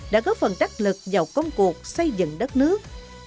đã góp phần đắc lực vào công cuộc xây dựng đất nước